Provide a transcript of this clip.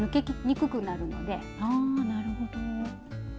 ああなるほど。